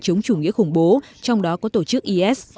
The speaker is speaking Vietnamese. chống chủ nghĩa khủng bố trong đó có tổ chức is